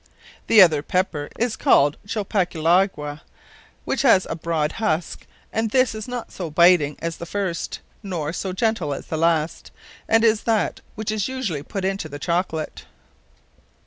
The other Pepper is called Chilpaclagua, which hath a broad huske, and this is not so biting as the first; nor so gentle as the last, and is that, which is usually put into the Chocolate.